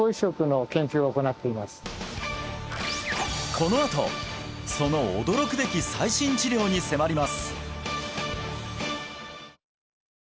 このあとその驚くべき最新治療に迫ります！